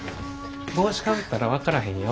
帽子かぶったら分からへんよ。